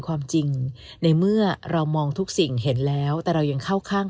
ความจริงในเมื่อเรามองทุกสิ่งเห็นแล้วแต่เรายังเข้าข้าง